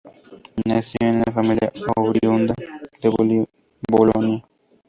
Nació de una familia oriunda de Bolonia.